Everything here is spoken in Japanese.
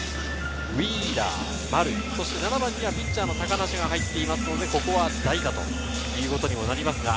ウィーラー、丸、そして７番にはピッチャーの高梨が入っていますので、ここは代打ということになります。